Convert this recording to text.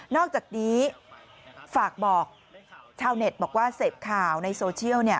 อกจากนี้ฝากบอกชาวเน็ตบอกว่าเสพข่าวในโซเชียล